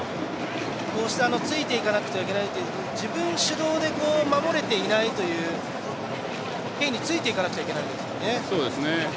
こうしてついていかなくてはいけないという自分主導で守れていないという、ケインについていかなくてはいけないですもんね。